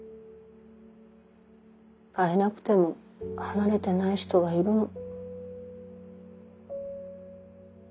会えなくても離れてない人はいるの。